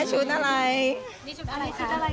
ชุดอะไรค่ะ